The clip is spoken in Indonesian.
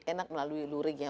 lebih enak melalui luringnya